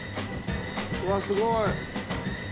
うわすごい。